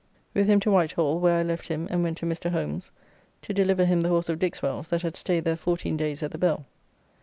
With him to Whitehall, where I left him and went to Mr. Holmes to deliver him the horse of Dixwell's that had staid there fourteen days at the Bell.